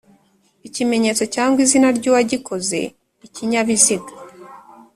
ikimenyetso cyangwa izina ry uwagikoze ikinyabiziga